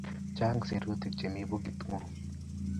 Chaang' sirutik chemi pukuit ngu'ung'.